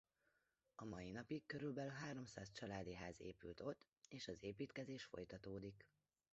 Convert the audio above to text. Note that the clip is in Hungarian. A mai napig körülbelül háromszáz családi ház épült ott és az építkezés folytatódik.